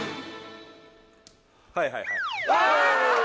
はいはいはいあっ！